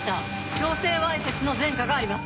強制わいせつの前科があります。